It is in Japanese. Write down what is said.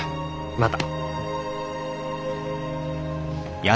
また。